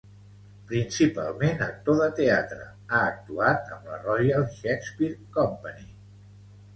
Principalment actor de teatre, ha actuat amb la Royal Shakespeare Company.